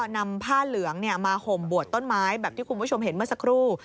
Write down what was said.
นำผ้าเหลืองมาห่มบวชต้นไม้แบบที่คุณผู้ชมเห็นเมื่อสักครู่